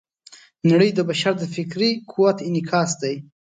نړۍ د بشر د فکري قوت انعکاس دی.